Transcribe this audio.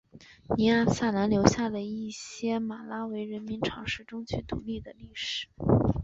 尼亚萨兰留下了一些马拉维人民尝试争取独立的历史。